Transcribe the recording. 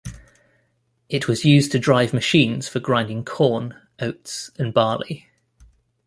It was used to drive machines for grinding corn, oats and barley.